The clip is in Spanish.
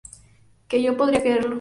Que yo podría creerlo".